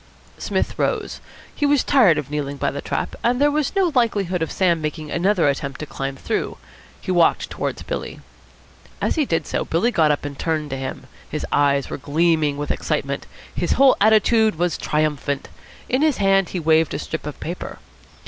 Psmith rose. He was tired of kneeling by the trap, and there was no likelihood of Sam making another attempt to climb through. He walked towards Billy. As he did so, Billy got up and turned to him. His eyes were gleaming with excitement. His whole attitude was triumphant. In his hand he waved a strip of paper.